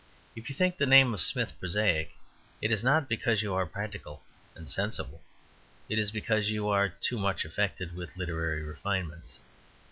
If you think the name of "Smith" prosaic, it is not because you are practical and sensible; it is because you are too much affected with literary refinements.